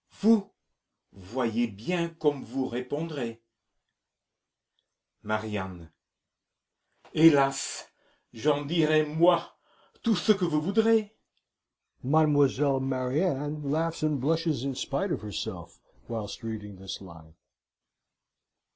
Vous. Voyez bien comme vous repondrez. MARIANE. Helas! J'en dirai, moi, tout ce que vous voudrez! (Mademoiselle Mariane laughs and blushes in spite of herself, whilst reading this line.)